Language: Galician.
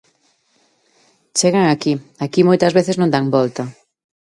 Chegan aquí, aquí moitas veces non dan volta.